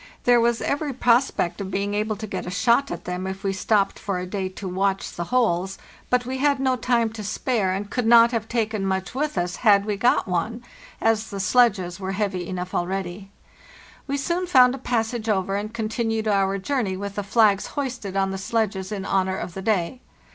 There was every prospect of being able to get a shot at them if we stopped for a day to watch the holes; but we had no time to spare, and could not have taken much with us had we got one, as the sledges were heavy enough already. We soon found a passage over, and continued our journey with the flags hoisted on the sledges in honor of the day.